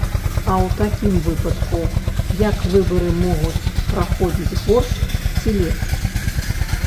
А ў такім выпадку, як выбары могуць праходзіць горш ці лепш?